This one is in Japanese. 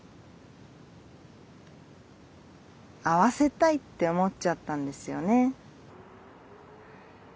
会わせたいって思っちゃったんですよね。